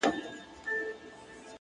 هره ورځ د نوې رڼا دروازه ده،